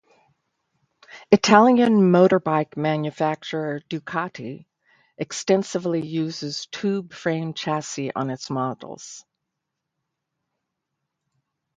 Italian motorbike manufacturer Ducati extensively uses tube frame chassis on its models.